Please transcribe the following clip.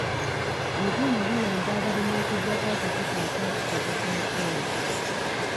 Ebyuma biyamba abalimi okuggyako akakuta aka kitaka ku muceere.